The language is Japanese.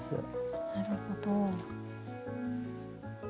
なるほど。